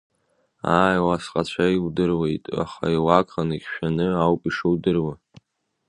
Ааи, уасҟацәа иудыруеит, аха уагханы ихьшәаны ауп ишудыруа.